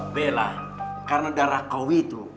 bella karena darah kau itu